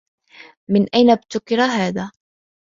من أين ابتكر هذا؟